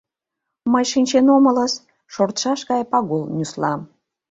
— Мый шинчен омылыс, — шортшаш гай Пагул нюсла.